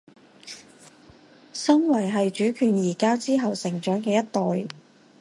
身為喺主權移交之後成長嘅一代